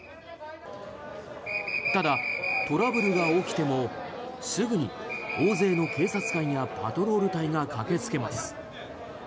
ただ、トラブルが起きてもすぐに大勢の警察官やパトロール隊が駆けつけます。